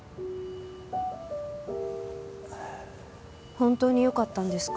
本当によかったんですか？